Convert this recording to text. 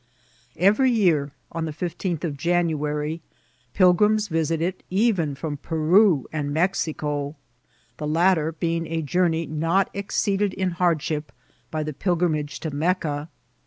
Every year, on the fifteenth of January, pilgrims visit it, even from Peru and Mexico ; the latter being a jour ney not exceeded in hardship by the pilgrimage to Mec ca.